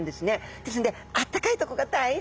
ですのであったかいとこが大好きなんです。